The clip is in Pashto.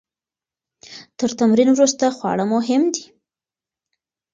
تر تمرین وروسته خواړه مهم دي.